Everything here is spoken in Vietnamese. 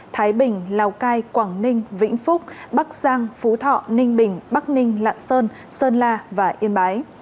thái bình lào cai quảng ninh vĩnh phúc bắc giang phú thọ ninh bình bắc ninh lạng sơn sơn la và yên bái